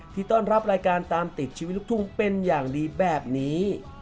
ที่ต้อนรับรายการตามติดชีวิตลูกทุ่งเป็นอย่างดีแบบนี้